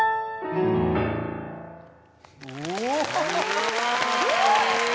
・すごい！